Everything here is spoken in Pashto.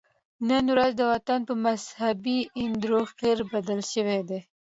نن ورځ وطن په مذهبي انډوخر بدل شوی دی